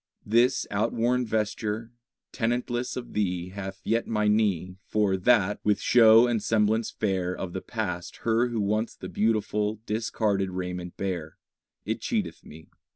This outworn vesture, tenantless of thee, Hath yet my knee, For that, with show and semblance fair Of the past Her Who once the beautiful, discarded raiment bare, It cheateth me.